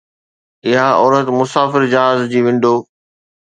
اها عورت مسافر جهاز جي ونڊو